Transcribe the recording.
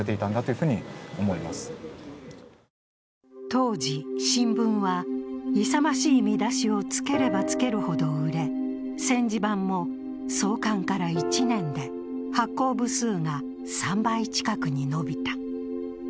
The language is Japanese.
当時、新聞は勇ましい見出しをつければつけるほど売れ「戦時版」も創刊から１年で発行部数が３倍近くに伸びた。